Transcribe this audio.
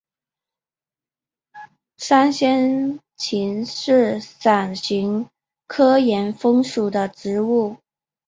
山香芹是伞形科岩风属的植物。